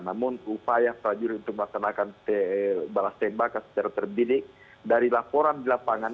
namun upaya prajurit untuk melaksanakan balas tembakan secara terdidik dari laporan di lapangan